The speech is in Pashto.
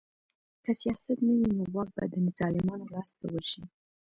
که سیاست نه وي نو واک به د ظالمانو لاس ته ورشي